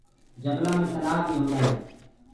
جبلآ مي تلآه بي هوندآ هينٚ۔